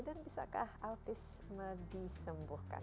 dan bisakah autisme disembuhkan